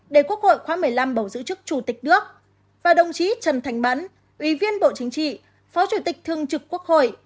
để quốc hội khóa một mươi năm bầu giữ chức chủ tịch nước và đồng chí trần thanh mẫn ủy viên bộ chính trị phó chủ tịch thương trực quốc hội